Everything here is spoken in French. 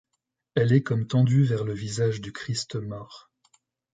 Elle est comme tendue vers le visage du Christ mort.